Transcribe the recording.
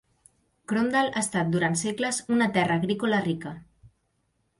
Crondall ha estat durant segles una terra agrícola rica.